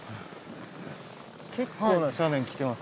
結構な斜面来てます。